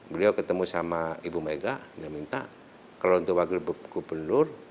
beliau ketemu sama ibu mega dia minta kalau untuk wakil gubernur